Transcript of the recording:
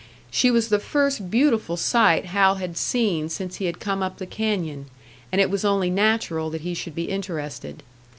She was the first beautiful sight Hal had seen since he had come up the canyon, and it was only natural that he should be interested.